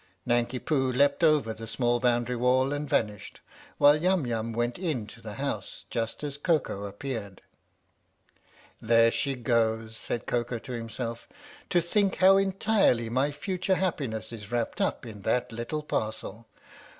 Nanki Poo leapt over the small boundary wall and vanished, while Yum Yum went into the house just as Koko appeared. "There she goes," said Koko to himself. "To think how entirely my future happiness is wrapped up in that little parcel !